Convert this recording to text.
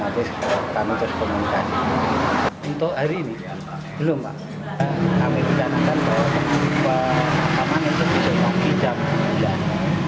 kami berjalan jalan untuk mencoba keamanan untuk bisa menghijabkan